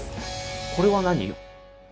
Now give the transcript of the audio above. これは何？